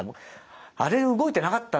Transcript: あれ動いてなかったんだねって。